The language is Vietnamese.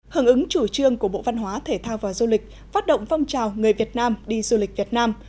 hứng ứng chủ trương của bộ văn hóa thể thao và du lịch phát động phong trào người việt nam đi du lịch việt nam